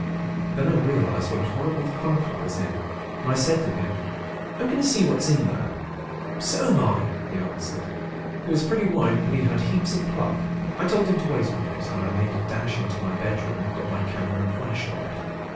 Then I realised what a horrible funk I was in, and I said to him:—'I'm going to see what's there.' "'So'm I,' he answered. He was pretty white; but he had heaps of pluck. I told him to wait one instant, and I made a dash into my bedroom, and got my camera and flashlight.